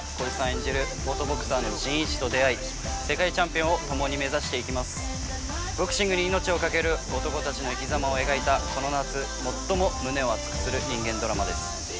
演じる元ボクサーの仁一と出会い世界チャンピオンをともに目指していきますボクシングに命をかける男たちの生きざまを描いたこの夏最も胸を熱くする人間ドラマです